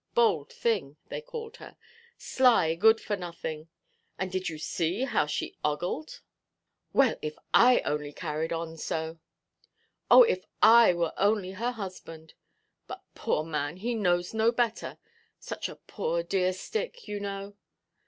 "Bold thing," they called her, "sly good–for–nothing; and did you see how she ogled? Well, if I only carried on so! Oh, if I were only her husband! But, poor man, he knows no better. Such a poor dear stick, you know.